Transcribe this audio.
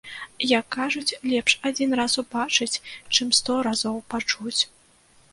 Як кажуць, лепш адзін раз убачыць, чым сто разоў пачуць.